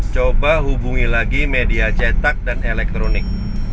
coba hubungi lagi media cetak dan elektronik